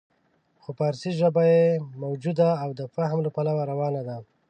خو فارسي ژباړه یې موجوده او د فهم له پلوه روانه ده.